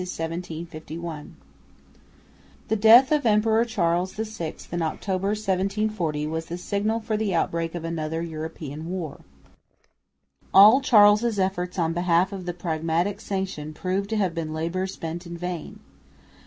WILLIAM IV, 1740 1751 The death of the Emperor Charles VI in October, 1740, was the signal for the outbreak of another European war. All Charles' efforts on behalf of the Pragmatic Sanction proved to have been labour spent in vain.